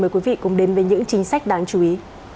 mời quý vị cùng đến với những chính sách đáng chú ý